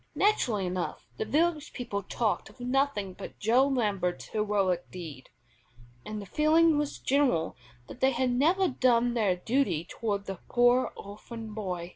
Naturally enough the village people talked of nothing but Joe Lambert's heroic deed, and the feeling was general that they had never done their duty toward the poor orphan boy.